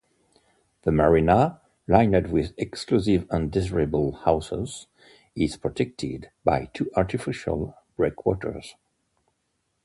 The marina, lined with exclusive and desirable houses, is protected by two artificial breakwaters.